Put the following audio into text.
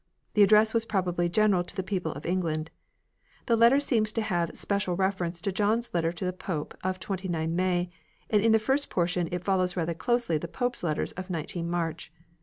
The ad dress was probably general to the people of England. The letter seems to have a special reference to John's letter to the Pope of 29 May, and in the first portion it follows rather closely the Pope's letters of 19 March.